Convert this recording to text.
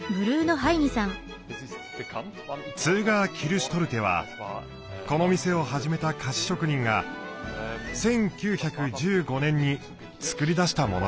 ツーガー・キルシュトルテはこの店を始めた菓子職人が１９１５年に作り出したものです。